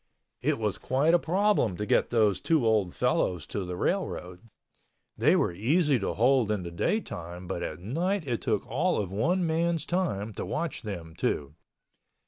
It was quite a problem to get those two old fellows to the railroad. They were easy to hold in the daytime but at night it took all of one man's time to watch them two.